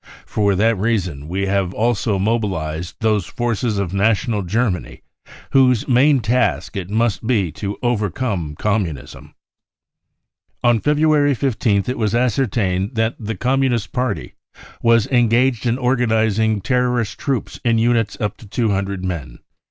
For that reason we have also mobilised those forces of national Ger many whose main task it must be to overcome Com munism. ... u On February 15th it was ascertained that the Com munist party was engaged in organising terrorist troops in units up to 200 men.